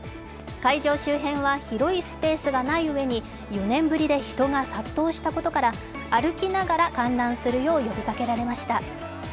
会場周辺は広いスペースがないうえに４年ぶりで人が殺到したことから歩きながら観覧するよう呼びかけられました。